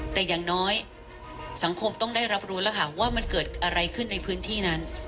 แต่อย่างน้อยสังคมต้องได้รับรู้แล้วค่ะว่ามันเกิดอะไรขึ้นในพื้นที่นั้น